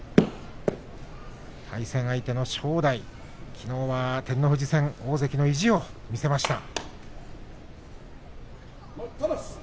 対戦相手の正代きのうは照ノ富士戦大関の意地を見せました。